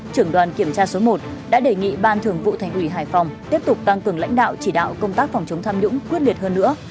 trưởng đoàn kiểm tra số một đã đề nghị ban thường vụ thành ủy hải phòng tiếp tục tăng cường lãnh đạo chỉ đạo công tác phòng chống tham nhũng quyết liệt hơn nữa